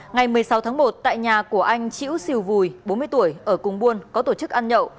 ngày một mươi sáu tháng một tại nhà của anh chữ sìu vùi bốn mươi tuổi ở cung buôn có tổ chức ăn nhậu